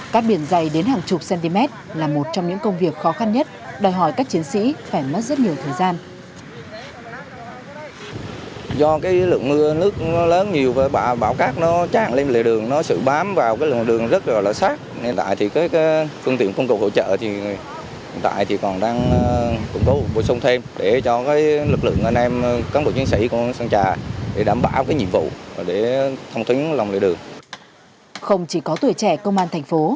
các biển dày đến hàng chục cm là một trong những công việc khó khăn nhất đòi hỏi các chiến sĩ phải mất rất nhiều thời gian